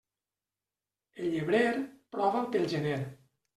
El llebrer, prova'l pel gener.